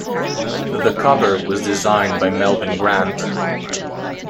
The cover was designed by Melvyn Grant.